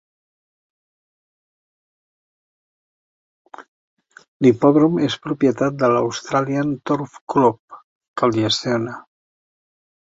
L'hipòdrom és propietat de l'Australian Turf Club, que el gestiona.